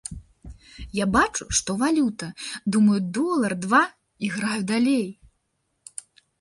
Я бачу, што валюта, думаю, долар, два, і граю далей.